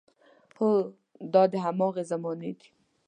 هو، دا د هماغې زمانې دی.